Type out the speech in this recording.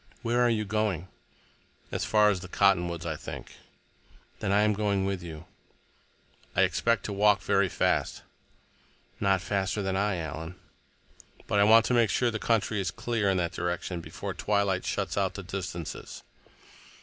"Where are you going?" "As far as the cottonwoods, I think." "Then I am going with you." "I expect to walk very fast." "Not faster than I, Alan." "But I want to make sure the country is clear in that direction before twilight shuts out the distances."